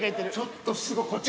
ちょっとすごっ。